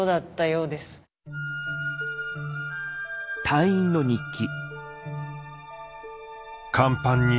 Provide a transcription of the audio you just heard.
隊員の日記。